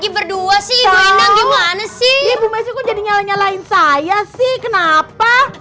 berdua sih gimana sih jadi nyala nyalain saya sih kenapa lagi